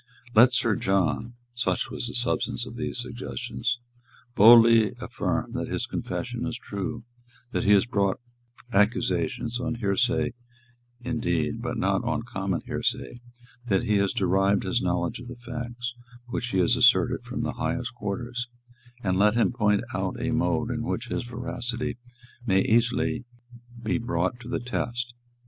Let Sir John, such was the substance of these suggestions, boldly affirm that his confession is true, that he has brought accusations, on hearsay indeed, but not on common hearsay, that he has derived his knowledge of the facts which he has asserted from the highest quarters; and let him point out a mode in which his veracity may be easily brought to the test.